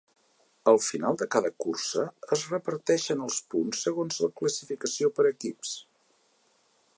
Al final de cada cursa, es reparteixen els punts segons la classificació per equips.